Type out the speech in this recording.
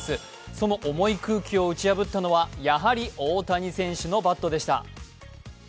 その重い空気を打ち破ったのはやはり大谷選手のバットでした。